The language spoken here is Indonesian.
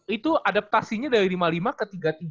itu adaptasinya dari lima puluh lima ke tiga puluh tiga